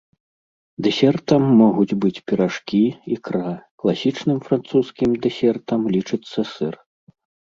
Дэсертам могуць быць піражкі, ікра, класічным французскім дэсертам лічыцца сыр.